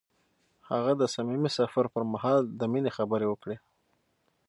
هغه د صمیمي سفر پر مهال د مینې خبرې وکړې.